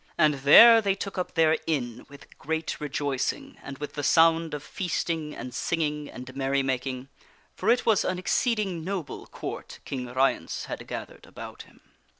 And there they took up their inn with great rejoicing and with the sound of feasting and singing and merry making, for it was an exceeding noble Court King Ryence had gathered about him.